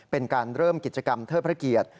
เป็นการเริ่มกิจกรรมเทิดพระเกียรติ